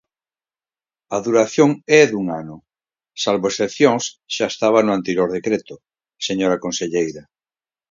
A duración é dun ano, salvo excepcións xa estaba no anterior decreto, señora conselleira.